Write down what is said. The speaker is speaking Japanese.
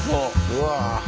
うわ。